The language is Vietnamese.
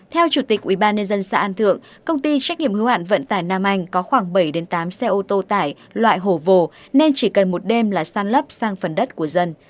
theo chủ tịch ubnd xã an thượng công ty trách nhiệm hưu hạn vận tải nam anh có khoảng bảy tám xe ô tô tải loại hổ vồ nên chỉ cần một đêm là san lấp sang phần đất của dân